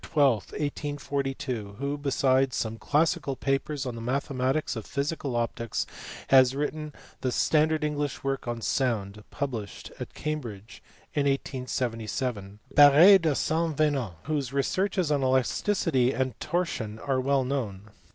12, 1842, who, besides some classical papers on the mathematics of physical optics, has written the standard English work on sound, published at Cambridge in 1877. Barre de Saint Venant, whose researches on elasticity and torsion are well known.